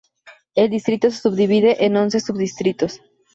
El distrito se subdivide en once sub-distritos.